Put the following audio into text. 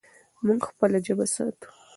موږ خپله ژبه ساتو.